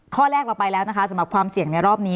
ข้อแรกเราไปแล้วนะคะสำหรับความเสี่ยงในรอบนี้